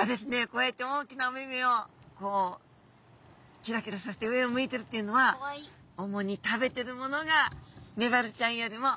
こうやって大きなお目々をこうキラキラさせて上を向いてるっていうのは主に食べてるものがメバルちゃんよりも上を泳ぐ小魚。